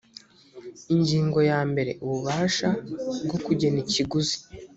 ingingo ya mbere ububasha bwo kugena ikiguzi